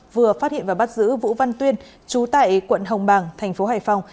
vừa phát hiện và bắt giữ vũ văn tuyên chú tại quận hồng bàng thành phố hải phòng